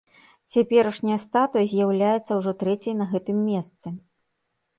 Цяперашняя статуя з'яўляецца ўжо трэцяй на гэтым месцы.